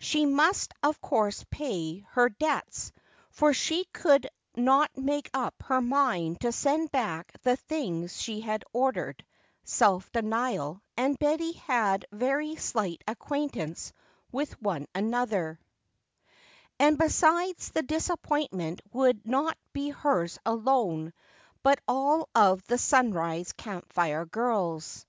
She must of course pay her debts, for she could not make up her mind to send back the things she had ordered (self denial and Betty had very slight acquaintance with one another), and besides the disappointment would not be hers alone but all of the Sunrise Camp Fire girls.